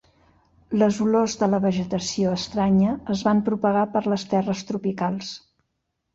Les olors de la vegetació estranya es van propagar per les terres tropicals.